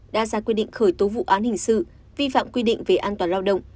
đã ra quyết định khởi tố vụ án hình sự vi phạm quy định về an toàn lao động